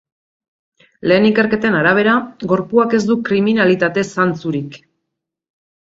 Lehen ikerketen arabera, gorpuak ez du kriminalitate-zantzurik.